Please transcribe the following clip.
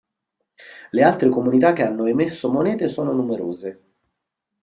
Le altre comunità che hanno emesso monete sono numerose.